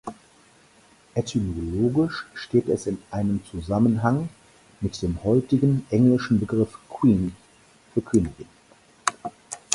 Etymologisch steht es in einem Zusammenhang mit dem heutigen englischen Begriff "Queen" für Königin.